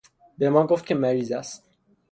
به ما گفت که مریض است.